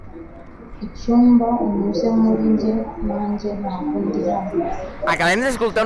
icyumba unyuze muri njye njye ntabwo ndi hano